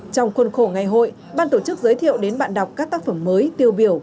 trong khuôn khổ ngày hội ban tổ chức giới thiệu đến bạn đọc các tác phẩm mới tiêu biểu